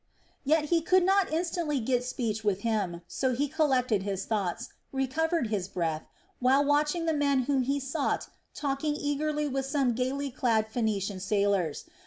Yet he could not instantly get speech with him, so he collected his thoughts, and recovered his breath, while watching the men whom he sought talking eagerly with some gaily clad Phoenician sailors.